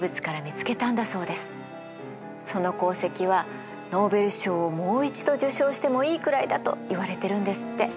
その功績はノーベル賞をもう一度受賞してもいいくらいだといわれてるんですって。